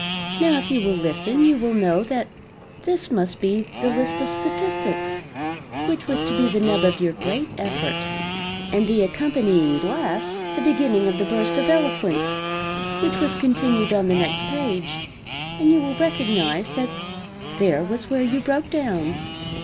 Now if you will listen, you will know that this must be the list of statistics which was to be the 'nub' of your great effort, and the accompanying blast the beginning of the burst of eloquence which was continued on the next page and you will recognize that there was where you broke down."